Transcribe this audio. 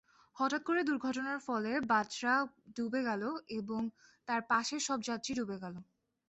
হঠাৎ করে দুর্ঘটনার ফলে বাজরা ডুবে গেল এবং তার পাশে সব যাত্রী ডুবে গেল।